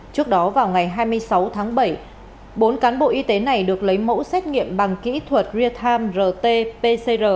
trước đó vào ngày hai mươi sáu tháng bảy bốn cán bộ y tế này được lấy mẫu xét nghiệm bằng kỹ thuật real time rt pcr